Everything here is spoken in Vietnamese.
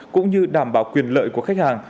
cũng như đảm bảo quyền lợi của khách hàng